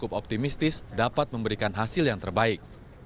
cukup optimistis dapat memberikan hasil yang terbaik